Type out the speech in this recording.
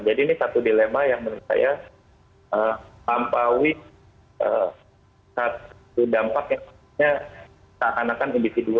jadi ini satu dilema yang menurut saya tampaui satu dampak yang sebenarnya tak anakan individu